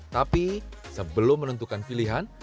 tapi sebelum menentukan pilihan